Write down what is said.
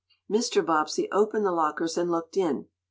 Mr. Bobbsey opened the lockers and looked in.